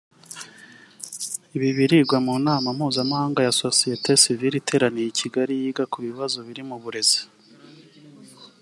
Ibi birigwa mu nama mpuzamahanga ya Sosiyete Sivile iteraniye i Kigali yiga ku bibazo biri mu burezi